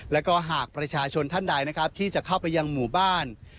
แล้วก็หากประชาชนท่านใดนะครับที่จะเข้าไปยังหมู่บ้าน